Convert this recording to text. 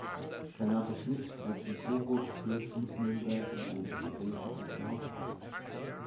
Renate Schmidt wuchs in Coburg, Fürth und Nürnberg in einem evangelischen Elternhaus auf.